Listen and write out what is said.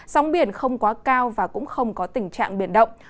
sóng biển không quá cao và cũng không có tình trạng biển động